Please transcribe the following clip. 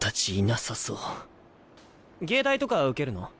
藝大とか受けるの？